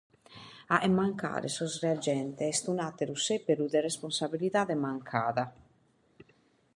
Fàghere mancare sos reagentes est un’àteru sèberu de responsabilidade mancada.